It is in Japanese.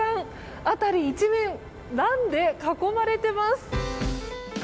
辺り一面ランで囲まれています。